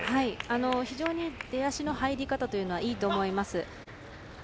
非常に出足の入り方というのはいいと思います。